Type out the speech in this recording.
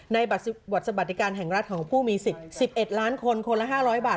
ในบัตรสวัสดิการแห่งรัฐของผู้มีสิทธิ์๑๑ล้านคนคนละ๕๐๐บาท